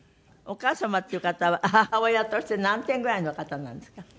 お母様っていう方は母親として何点ぐらいの方なんですか？